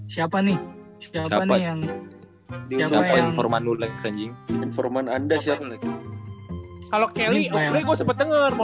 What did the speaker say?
siapa nih siapa nih yang informan informan anda kalau keliobre gue sempet denger mau